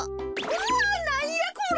うわっなんやこれ！？